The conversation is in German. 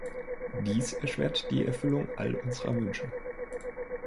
Dies erschwert die Erfüllung all unserer Wünsche.